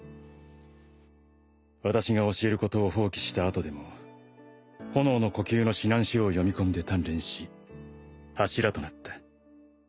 「私が教えることを放棄した後でも炎の呼吸の指南書を読み込んで鍛錬し柱となった」